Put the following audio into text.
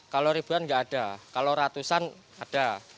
kalau ribuan nggak ada kalau ratusan ada